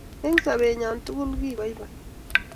Eng sobennyo tugul kiboiboi